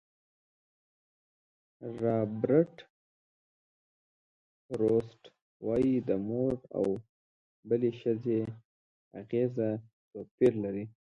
رابرټ فروسټ وایي د مور او بلې ښځې اغېزه توپیر لري.